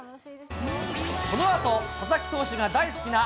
このあと、佐々木投手が大好きな